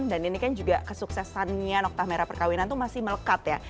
dan ini kan juga kesuksesannya nokta merah perkawinan itu masih melekat ya